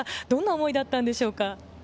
どんな思いだったのでしょうか。